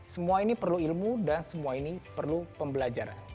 semua ini perlu ilmu dan semua ini perlu pembelajaran